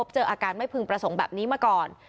เจออาการไม่พึงประสงค์แบบนี้มาก่อน